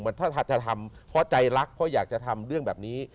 ถ้าจะทำเพราะใจรักเพราะอยากจะทำเรื่องแบบนี้